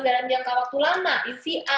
dalam jangka waktu lama uva